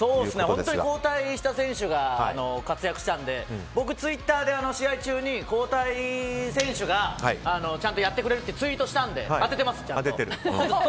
交代した選手が活躍したので僕、ツイッターで試合中に交代選手がちゃんとやってくれるってツイートしたので当ててます、ちゃんと。